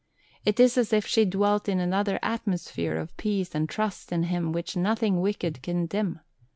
It is as if she dwelt in another atmosphere of peace and trust in Him which nothing wicked can dim.